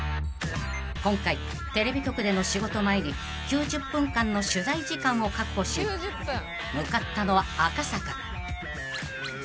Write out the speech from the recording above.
［今回テレビ局での仕事前に９０分間の取材時間を確保し向かったのは赤坂］